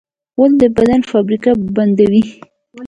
غول د بدن فابریکه بندوي.